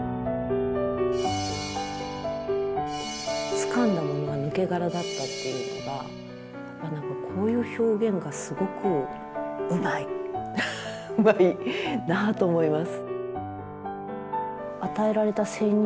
つかんだものが抜け殻だったっていうのが何かこういう表現がすごくうまいうまいなと思います。